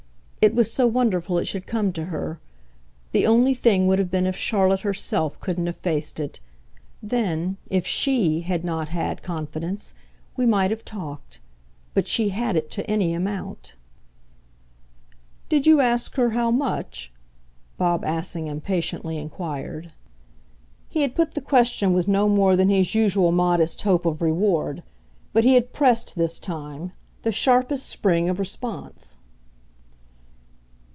It was so wonderful it should come to her. The only thing would have been if Charlotte herself couldn't have faced it. Then, if SHE had not had confidence, we might have talked. But she had it to any amount." "Did you ask her how much?" Bob Assingham patiently inquired. He had put the question with no more than his usual modest hope of reward, but he had pressed, this time, the sharpest spring of response.